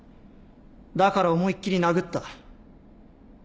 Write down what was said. だから思いっ切り殴った。